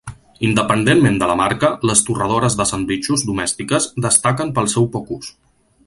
Independentment de la marca, les torradores de sandvitxos domèstiques destaquen pel seu poc ús.